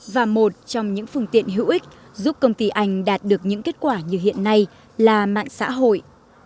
và một trong những phương tiện hữu ích giúp công ty anh đạt được những kết quả như hiện nay là mạng xã hội